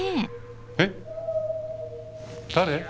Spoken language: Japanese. えっ誰？